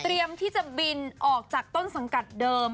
ที่จะบินออกจากต้นสังกัดเดิม